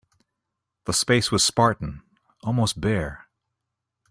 The space was spartan, almost bare.